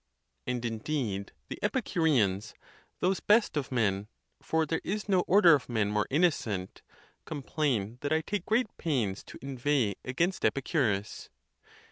And indeed the Epicureans, those best of men— for there is no order of men more innocent—complain that I take great pains to inveigh against Epicurus.